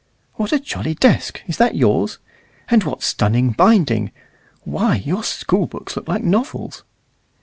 What a jolly desk! Is that yours? And what stunning binding! Why, your school books look like novels."